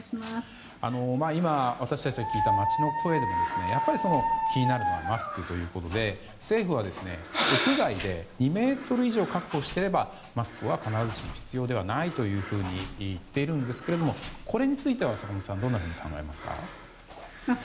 今、私たちが聞いた街の声でもやっぱり気になるのはマスクということで政府は屋外で２ｍ以上確保していればマスクは必ずしも必要ではないと言っているんですがこれについてはどう考えますか。